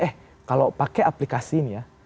eh kalau pakai aplikasi ini ya